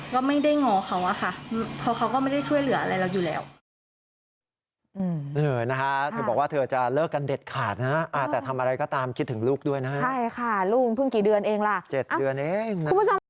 ก็ไม่ได้ง้อเขาอะค่ะเขาก็ไม่ได้ช่วยเหลืออะไรเราอยู่แล้ว